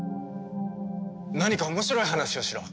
何か面白い話をしろ。